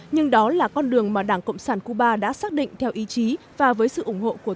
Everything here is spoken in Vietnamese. nhưng đó là con đường mà đảng cộng sản cuba đã xác định theo ý chí và với sự ủng hộ của